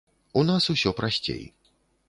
У нас усё прасцей.